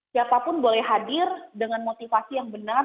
siapapun boleh hadir dengan motivasi yang benar